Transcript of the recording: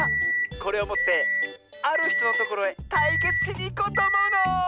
これをもってあるひとのところへたいけつしにいこうとおもうの！